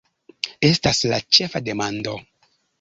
Estas la ĉefa demando!